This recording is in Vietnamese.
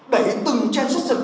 để từng transition